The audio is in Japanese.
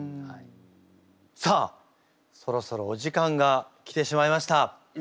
さあそろそろお時間が来てしまいました。